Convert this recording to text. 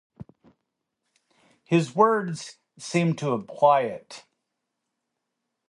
His words seemed to imply it.